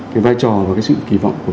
cái vai trò và cái sự kì vọng của